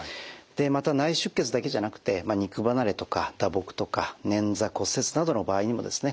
また内出血だけじゃなくて肉離れとか打撲とか捻挫骨折などの場合にもですね